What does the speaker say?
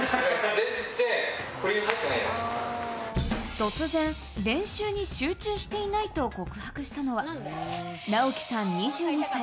突然、練習に集中していないと告白したのはナオキさん、２２歳。